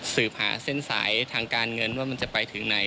สืบหาเส้นสายทางการเงินว่ามันจะไปถึงไหน